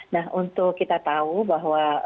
nah untuk kita tahu bahwa